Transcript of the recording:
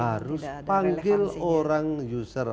harus panggil orang user